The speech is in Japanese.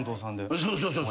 そうそうそう。